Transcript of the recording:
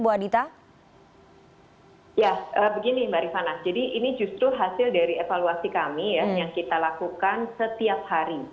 ya begini mbak rifana jadi ini justru hasil dari evaluasi kami yang kita lakukan setiap hari